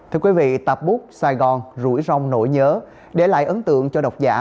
thưa quý vị tạp bút sài gòn rủi rong nổi nhớ để lại ấn tượng cho đọc giả